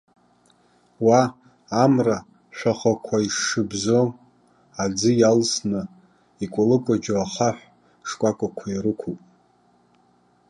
Уа, амра шәахәақәа ишыбзоу аӡы иалсны, икәалыкәаџьо ахаҳә шкәакәақәа ирықәуп.